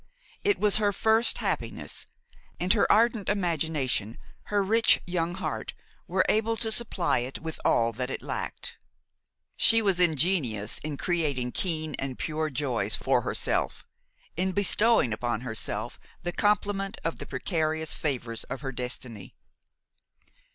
It was her first happiness; and her ardent imagination, her rich young heart, were able to supply it with all that it lacked. She was ingenious in creating keen and pure joys for herself–in bestowing upon herself the complement of the precarious favors of her destiny.